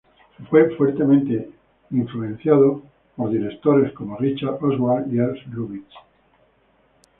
Fue fuertemente influenciado por directores como Richard Oswald y Ernst Lubitsch.